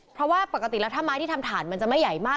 เพราะว่าปกติแล้วถ้าไม้ที่ทำถ่านมันจะไม่ใหญ่มาก